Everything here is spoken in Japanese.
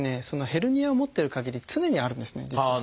ヘルニアを持ってるかぎり常にあるんですね実は。